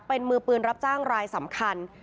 เป็นมือปืนรับจ้างรายสำคัญ